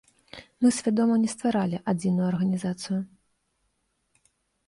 Мы свядома не стваралі адзіную арганізацыю.